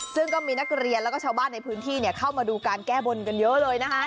ซึ่งก็มีนักเรียนแล้วก็ชาวบ้านในพื้นที่เข้ามาดูการแก้บนกันเยอะเลยนะคะ